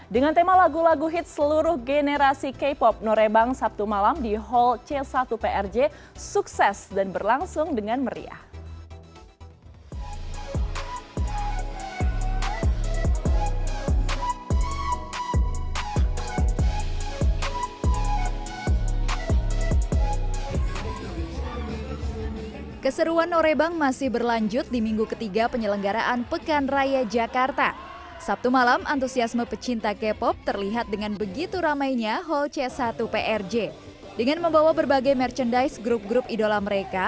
dengan tema lagu lagu hit seluruh generasi k pop norebang sabtu malam di hall c satu prj sukses dan berlangsung dengan meriah